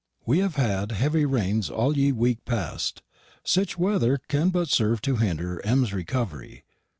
"We hav had heavy ranes all ye week last past. Sech wether can but serve to hinderr M.'s recovery.